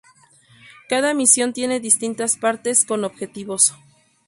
Cada misión tiene distintas partes, con objetivos.